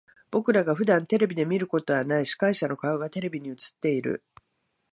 僕らが普段見ることはない司会者の顔がテレビに映っている。